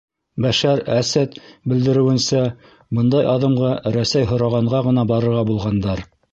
Бәшәр Әсәд белдереүенсә, бындай аҙымға Рәсәй һорағанға ғына барырға булғандар.